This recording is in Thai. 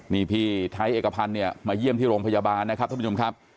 นี่พี่ไทยเอกพันธ์เนี่ยมาเยี่ยมที่โรงพยาบาลนะครับท่านผู้ชมครับ